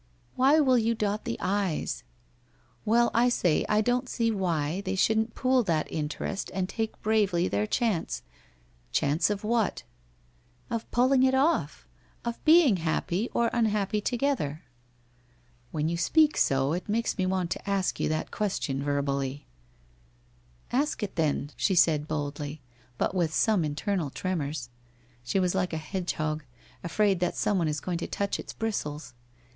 'Why will you dot the i's? Well, I say I don't see why they shouldn't pool that interest and take bravely their chance '' Chance of what ?' 'Of pulling it off. Of being happy or unhappy to gether.' ' "When you speak so, it makes me want to ask you that question verbally/ 'Ask it then,' she said boldly, but with some internal tremors. She was like a hedgehog, afraid that someone is going to touch its bristles.